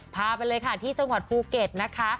พาไปเลยค่ะที่จังหวัดภูเก็ตนะคะ